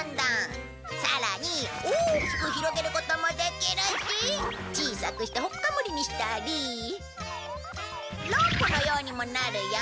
さらに大きく広げることもできるし小さくしてほっかむりにしたりロープのようにもなるよ。